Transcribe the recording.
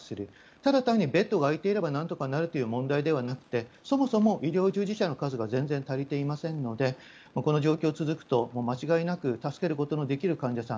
ただ単にベッドが空いていればなんとかなるという問題ではなくてそもそも医療従事者の数が全然足りていませんのでこの状況が続くと間違いなく助けることのできる患者さん